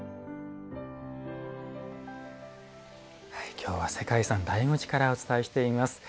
きょうは世界遺産・醍醐寺からお伝えしています